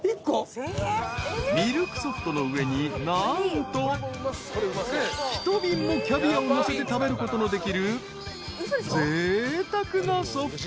［ミルクソフトの上に何と一瓶もキャビアをのせて食べることのできる］